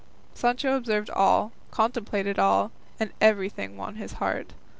Sancho observed all, contemplated all, and everything won his heart.